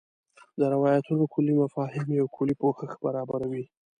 د روایتونو کُلي مفاهیم یو کُلي پوښښ برابروي.